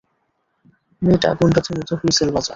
মেয়েটা গুন্ডাদের মতো হুঁইসেল বাজায়!